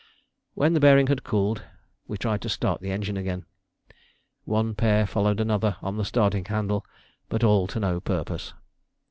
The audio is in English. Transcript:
When the bearing had cooled, we tried to start the engine again. One pair followed another on the starting handle, but all to no purpose.